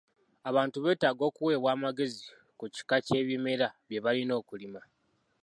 Abantu beetaaga okuweebwa amagezi ku kika ky'ebimera bye balina okulima.